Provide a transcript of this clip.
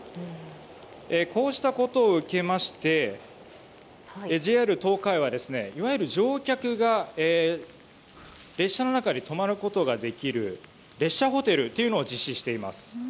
こうしたことを受けましてＪＲ東海はいわゆる乗客が列車の中で泊まることができる列車ホテルというのを実施しています。